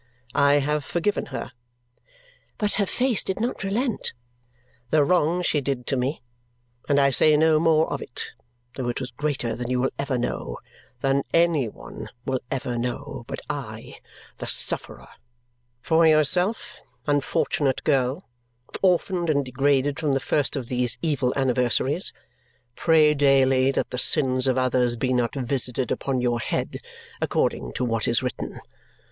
I have forgiven her" but her face did not relent "the wrong she did to me, and I say no more of it, though it was greater than you will ever know than any one will ever know but I, the sufferer. For yourself, unfortunate girl, orphaned and degraded from the first of these evil anniversaries, pray daily that the sins of others be not visited upon your head, according to what is written.